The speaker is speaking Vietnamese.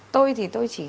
tôi thì tôi chỉ